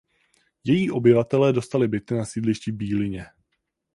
Její obyvatelé dostali byty na sídlišti v Bílině.